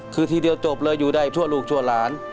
คือทีเดียวจบเลยอยู่ได้ชั่วลูกชั่วหลาน